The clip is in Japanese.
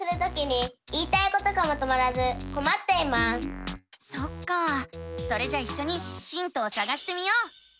わたしはそっかあそれじゃあいっしょにヒントをさがしてみよう！